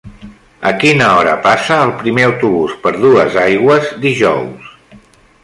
A quina hora passa el primer autobús per Duesaigües dijous?